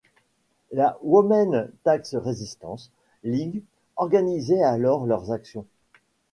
La Women's Tax Resistance League organisait alors leurs actions.